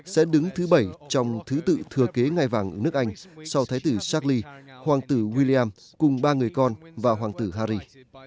sẽ đứng thứ bảy trong thứ tự thừa kế ngài vàng nước anh sau thái tử charlie hoàng tử william cùng ba người con và hoàng tử harry